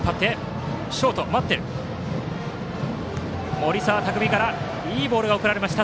森澤拓海からいいボールが送られました。